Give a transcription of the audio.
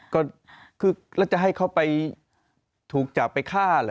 ก็คือแล้วจะให้เขาไปถูกจับไปฆ่าเหรอ